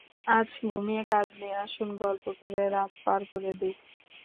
আজ ঘুমিয়ে কাজ নেই, আসুন গল্প করে রাত পার করে দিই।